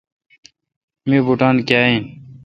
می بوٹان کاں این۔